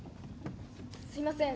すいません